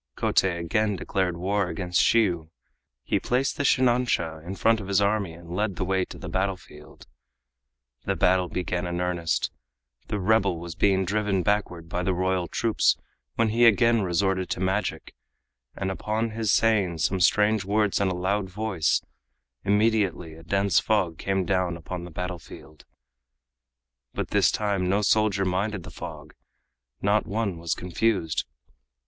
Kotei again declared war against Shiyu. He placed the shinansha in front of his army and led the way to the battlefield. The battle began in earnest. The rebel was being driven backward by the royal troops when he again resorted to magic, and upon his saying some strange words in a loud voice, immediately a dense fog came down upon the battlefield. But this time no soldier minded the fog, not one was confused.